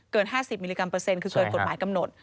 ๕๐มิลลิกรัเปอร์เซ็นคือเกินกฎหมายกำหนด